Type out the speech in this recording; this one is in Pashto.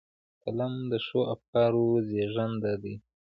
قلم د ښو افکارو زېږنده ده